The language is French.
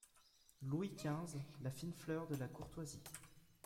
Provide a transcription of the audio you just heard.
Louis quinze, la fine fleur de la courtoisie !…